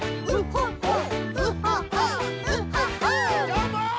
どーも！